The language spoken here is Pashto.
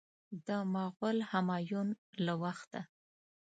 د مغول همایون له وخته.